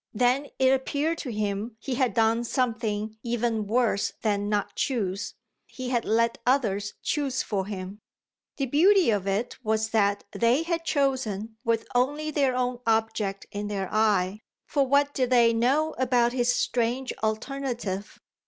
Then it appeared to him he had done something even worse than not choose he had let others choose for him. The beauty of it was that they had chosen with only their own object in their eye, for what did they know about his strange alternative?